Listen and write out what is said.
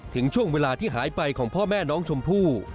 ถึงช่วงเวลาที่หายไปของพ่อแม่น้องชมพู่